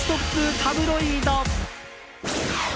タブロイド。